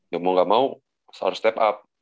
ya mau gak mau harus step up